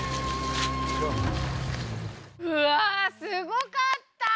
うわすごかった！